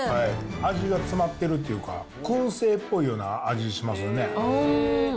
味が詰まってるっていうか、くん製っぽいような味しますよね。